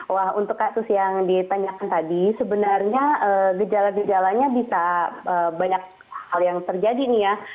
wah untuk kasus yang ditanyakan tadi sebenarnya gejala gejalanya bisa banyak hal yang terjadi nih ya